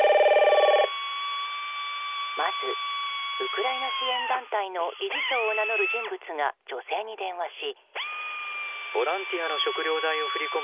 まず、ウクライナ支援団体の理事長を名乗る人物が女性に電話し。